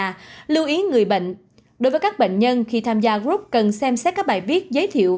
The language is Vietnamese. và lưu ý người bệnh đối với các bệnh nhân khi tham gia group cần xem xét các bài viết giới thiệu